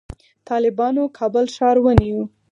طالبانو کابل ښار ونیو